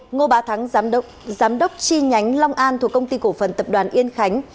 ngô bá thắng giám đốc chi nhánh long an thuộc công ty cổ phần tập đoàn yên khánh